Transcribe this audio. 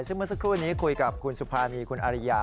ซึ่งเมื่อสักครู่นี้คุยกับคุณสุภานีคุณอาริยา